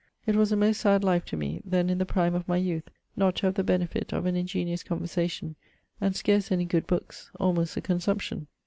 It was a most sad life to me, then in the prime of my youth, not to have the benefitt of an ingeniose conversation and scarce any good bookes almost a consumption.